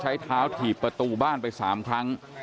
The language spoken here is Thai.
ใช้เท้าถีบประตูบ้านไป๓ครั้ง